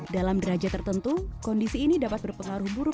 dalam derajat tertentu kondisi ini dapat berpengaruh buruk